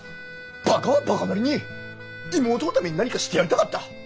バカはバカなりに妹のために何かしてやりたかった。